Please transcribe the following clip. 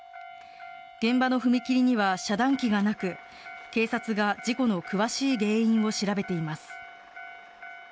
現場の踏切には遮断機がなく警察が事故の詳しい原因を調べています。